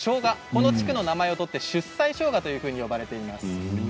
この地区の名前を取って出西しょうがと呼ばれています。